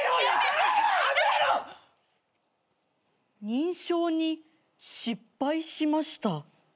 「認証に失敗しました」？